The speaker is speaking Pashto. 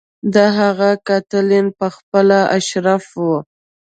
د هغه قاتلین په خپله اشراف وو.